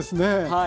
はい。